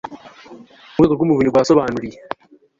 urwego rw umuvunyi rwasobanuriye